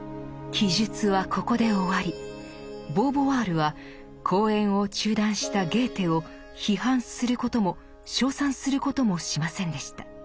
記述はここで終わりボーヴォワールは講演を中断したゲーテを批判することも称賛することもしませんでした。